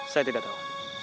saya tidak tahu